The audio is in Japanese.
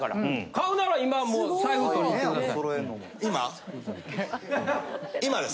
買うなら今もう財布取りに行ってください。